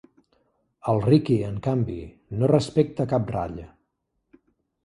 El Riqui, en canvi, no respecta cap ratlla.